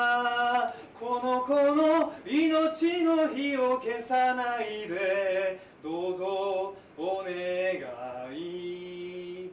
「この子の命の火を消さないでどうぞお願い」